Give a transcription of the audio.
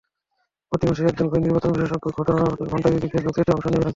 প্রতি মাসে একজন করে নির্বাচন বিশেষজ্ঞ ঘণ্টাব্যাপী ফেসবুক চ্যাটে অংশ নেবেন।